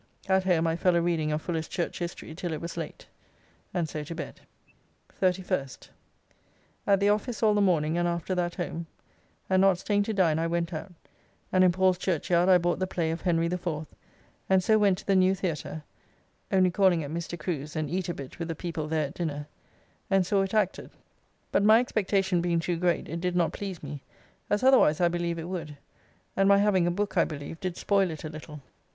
At home I fell a reading of Fuller's Church History till it was late, and so to bed. 31st. At the office all the morning and after that home, and not staying to dine I went out, and in Paul's Church yard I bought the play of "Henry the Fourth," and so went to the new Theatre (only calling at Mr. Crew's and eat a bit with the people there at dinner) and saw it acted; but my expectation being too great, it did not please me, as otherwise I believe it would; and my having a book, I believe did spoil it a little.